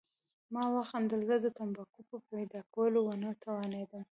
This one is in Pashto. ما وخندل، زه د تمباکو په پیدا کولو ونه توانېدم.